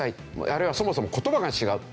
あるいはそもそも言葉が違う。